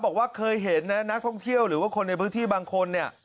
บอกว่าเคยเห็นนะนักท่องเที่ยวหรือว่าคนในพื้นที่บางคนเนี่ย